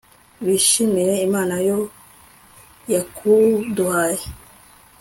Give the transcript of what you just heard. bishimire imana yo yakuduhaye